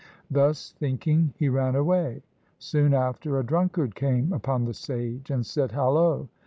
Thus thinking, he ran away. Soon after, a drunkard came upon the sage and said, "Hallo!